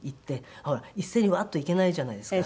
ほら一斉にワッと行けないじゃないですか。